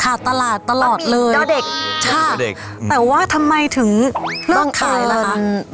ค่ะตลาดตลอดเลยเด็กค่ะแต่ว่าทำไมถึงเริ่มขายแล้วฮะ